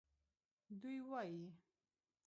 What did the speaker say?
دوی وایي